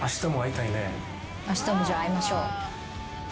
「あしたもじゃあ会いましょう」